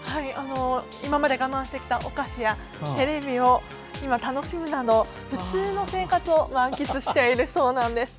今まで我慢してきたお菓子やテレビを今、楽しむなど普通の生活を満喫しているそうです。